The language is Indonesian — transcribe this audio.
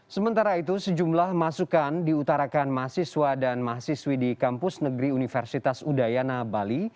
sementara itu sejumlah masukan diutarakan mahasiswa dan mahasiswi di kampus negeri universitas udayana bali